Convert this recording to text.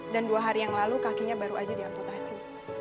dan dua hari yang lalu kakinya baru aja diamputasi